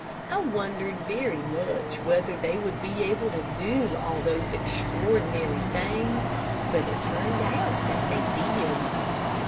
I wondered very much whether they would be able to do all those extraordinary things, but it turned out that they did.